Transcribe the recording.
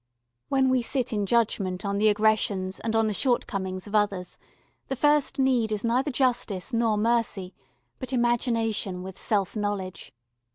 When we sit in judgment on the aggressions and on the shortcomings of others the first need is neither justice nor mercy, but imagination with self knowledge.